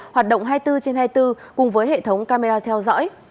hoạt động hai mươi bốn trên hai mươi bốn cùng với hệ thống camera theo dõi